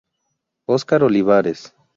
Óscar Olivares